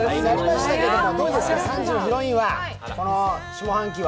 どうですか、３時のヒロインは下半期は。